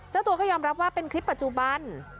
เจ้าตัวก็ยอมรับว่าเป็นคลิปปัจจุบัน